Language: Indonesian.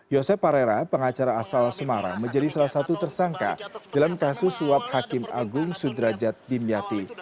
yosep parera pengacara asal semarang menjadi salah satu tersangka dalam kasus suap hakim agung sudrajat dimyati